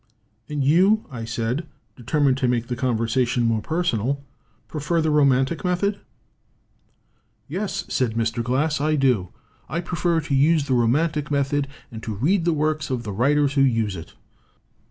"And you," I said, determined to make the conversation more personal, "prefer the romantic method?" 46 ROMANTICISM AND HUMOR "Yes," said Mr. Glass, "I do. I prefer to use the romantic method, and to read the works of the writers who use it.